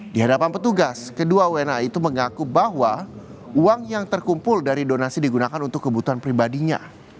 di hadapan petugas kedua wna itu mengaku bahwa uang yang terkumpul dari donasi digunakan untuk kebutuhan pribadinya